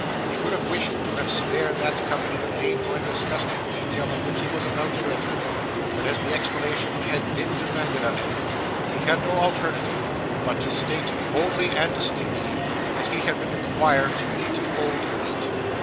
He could have wished to have spared that company the painful and disgusting detail on which he was about to enter, but as the explanation had been demanded of him, he had no alternative but to state, boldly and distinctly, that he had been required to eat cold meat.